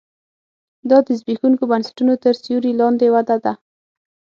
دا د زبېښونکو بنسټونو تر سیوري لاندې وده ده